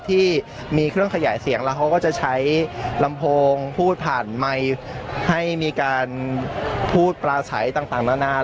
ที่มีเครื่องขยายเสียงแล้วเขาก็จะใช้ลำโพงพูดผ่านไมค์ให้มีการพูดปลาใสต่างนานา